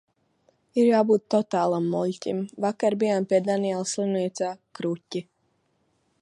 Ir jābūt totālam muļķim. Vakar bijām pie Daniela slimnīcā. Kruķi.